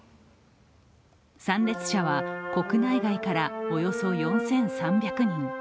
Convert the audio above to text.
参列者は国内外からおよそ４３００人。